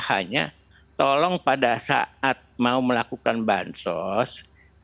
hanya tolong pada saat mau melakukan bahan sosial